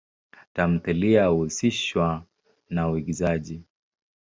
Tamthilia huhusishwa na uigizaji.